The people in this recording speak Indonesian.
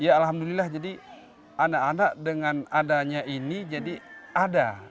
ya alhamdulillah jadi anak anak dengan adanya ini jadi ada